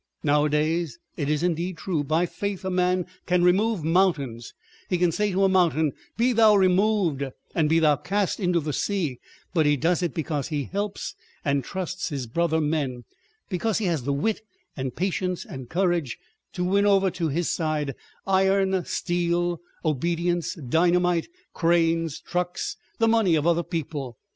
Nowadays it is indeed true, by faith a man can remove mountains; he can say to a mountain, Be thou removed and be thou cast into the sea; but he does it because he helps and trusts his brother men, because he has the wit and patience and courage to win over to his side iron, steel, obedience, dynamite, cranes, trucks, the money of other people.